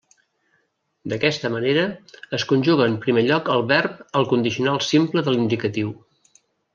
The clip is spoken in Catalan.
D'aquesta manera, es conjuga en primer lloc el verb al Condicional Simple de l'Indicatiu.